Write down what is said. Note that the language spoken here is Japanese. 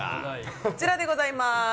こちらでございます。